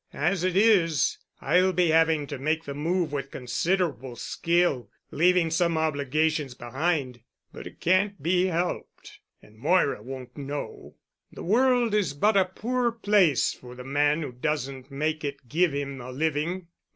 As it is, I'll be having to make the move with considerable skill, leaving some obligations behind. But it can't be helped, and Moira won't know. The world is but a poor place for the man who doesn't make it give him a living.